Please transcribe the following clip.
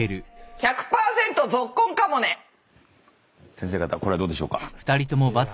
先生方これはどうでしょうか？